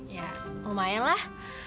ya lumayan lah